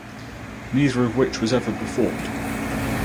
Neither of which was ever performed.